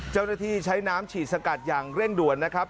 เจ้าหน้าที่ใช้น้ำฉีดสกัดอย่างเร่งด่วนนะครับ